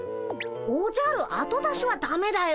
おじゃる後出しはだめだよ。